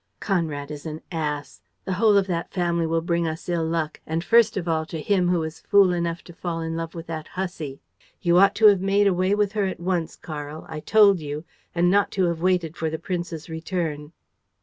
"Conrad is an ass! The whole of that family will bring us ill luck and first of all to him who was fool enough to fall in love with that hussy. You ought to have made away with her at once, Karl I told you and not to have waited for the prince's return."